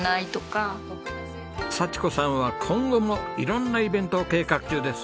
幸子さんは今後も色んなイベントを計画中です。